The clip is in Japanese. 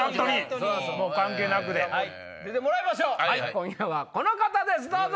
今夜はこの方ですどうぞ！